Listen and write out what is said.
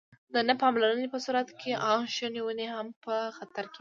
د نه پاملرنې په صورت کې آن شنې ونې هم په خطر کې وي.